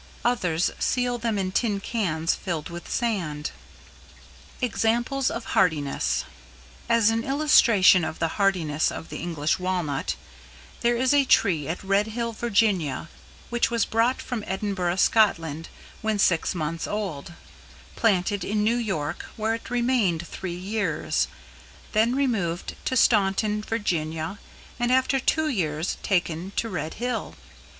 Others seal them up in tin cans filled with sand. [Sidenote: =Examples of Hardiness=] As an illustration of the hardiness of the English Walnut, there is a tree at Red Hill, Virginia, which was brought from Edinburgh, Scotland, when six months old, planted in New York, where it remained three years, then removed to Staunton, Virginia, and after two years taken to Red Hill.